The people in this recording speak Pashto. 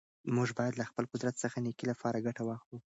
موږ باید له خپل قدرت څخه د نېکۍ لپاره ګټه واخلو.